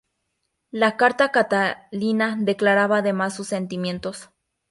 En la carta Catalina declaraba además sus sentimientos.